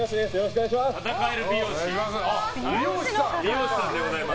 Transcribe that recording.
戦える美容師です。